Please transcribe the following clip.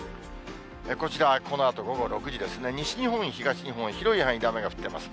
こちら、このあと午後６時ですね、西日本、東日本、広い範囲で雨が降ってます。